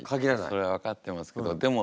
それは分かってますけどでも